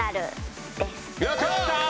やった！